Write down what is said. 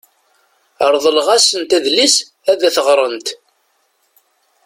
Reḍleɣ-asent adlis ad t-ɣrent.